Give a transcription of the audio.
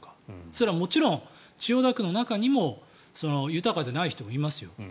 それはもちろん千代田区の中にも豊かでない人はいますよ。